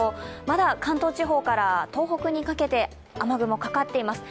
まだ関東地方から東北にかけて雨雲がかかっています。